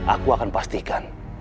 aku akan pastikan